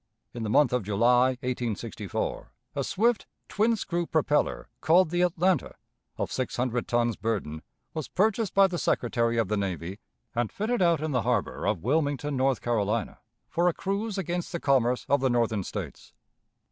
In the month of July, 1864, a swift twin screw propeller called the Atlanta, of six hundred tons burden, was purchased by the Secretary of the Navy, and fitted out in the harbor of Wilmington, North Carolina, for a cruise against the commerce of the Northern States.